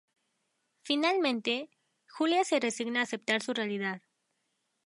Finalmente, Julia se resigna a aceptar su realidad.